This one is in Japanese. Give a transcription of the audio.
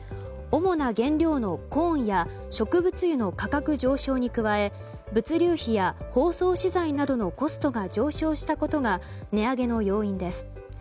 主な原料のコーンや植物油の価格上昇に加え物流費や包装資材などのコストが上昇したことが値上げの要因です。